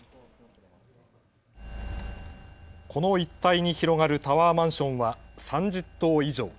この一帯に広がるタワーマンションは３０棟以上。